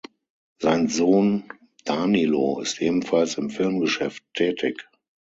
Sein Sohn Danilo ist ebenfalls im Filmgeschäft tätig.